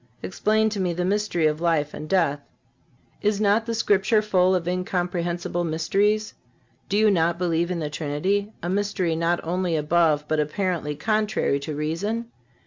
Explain to me the mystery of life and death. Is not the Scripture full of incomprehensible mysteries? Do you not believe in the Trinity—a mystery not only above, but apparently contrary to, reason?